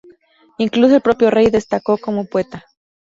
Incluso el propio rey destacó como poeta.